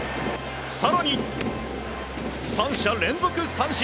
更に、３者連続三振！